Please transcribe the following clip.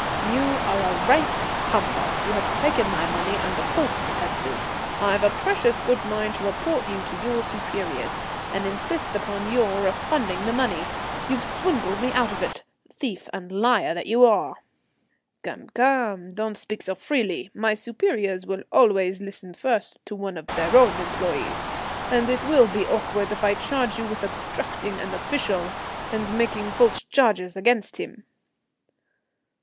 "You are a rank humbug; you have taken my money under false pretences. I've a precious good mind to report you to your superiors, and insist upon your refunding the money. You've swindled me out of it, thief and liar that you are." "Come, come, don't speak so freely. My superiors will always listen first to one of their own employés, and it will be awkward if I charge you with obstructing an official and making false charges against him."